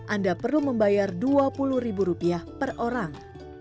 anda perlu membayar dua puluh ribu rupiah per orang